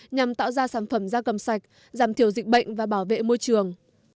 nhằm tạo ra sản phẩm da cầm sạch giảm thiểu dịch bệnh và bảo vệ môi trường